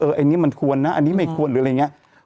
อันนี้มันควรนะอันนี้ไม่ควรหรืออะไรอย่างนี้